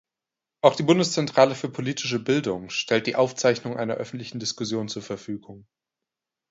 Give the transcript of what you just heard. Auch die Bundeszentrale für politische Bildung stellt die Aufzeichnung einer öffentlichen Diskussion zur Verfügung.